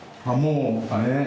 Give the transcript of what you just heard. あもうね。